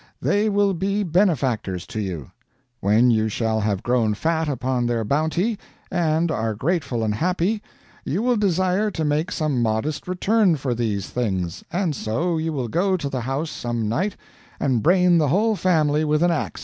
They will be benefactors to you. When you shall have grown fat upon their bounty, and are grateful and happy, you will desire to make some modest return for these things, and so you will go to the house some night and brain the whole family with an ax.